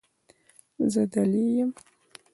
زه دلې یم.